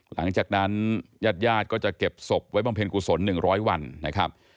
หลังจากนั้นญาติญาติก็จะเก็บศพไว้บำเพ็ญกุศล๑๐๐วันนะครับ